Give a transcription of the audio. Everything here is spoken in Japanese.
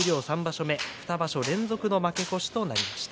２場所連続の負け越しとなりました。